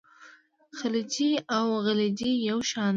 خلجي او غلجي یو شان دي.